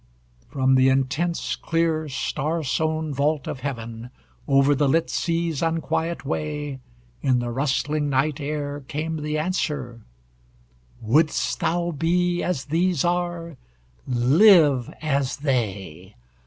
From the intense, clear, star sown vault of heaven, Over the lit sea's unquiet way, In the rustling night air came the answer: "Wouldst thou be as these are? Live as they.